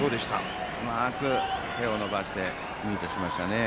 うまく手を伸ばしてミートしましたね。